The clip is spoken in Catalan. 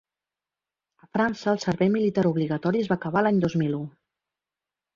A França el servei militar obligatori es va acabar l’any dos mil u.